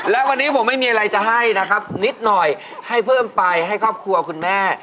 และวันนี้ผมไม่มีอะไรจะให้นะครับนิดหน่อยให้เพิ่มไปให้ครอบครัวคุณแม่